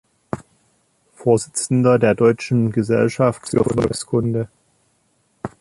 Vorsitzender der Deutschen Gesellschaft für Volkskunde.